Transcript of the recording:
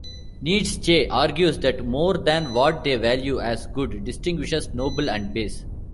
Nietzsche argues that more than what they value as "good" distinguishes noble and base.